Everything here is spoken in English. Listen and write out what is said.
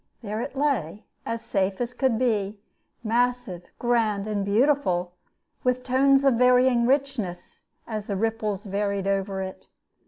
There it lay, as safe as could be, massive, grand, and beautiful, with tones of varying richness as the ripples varied over it.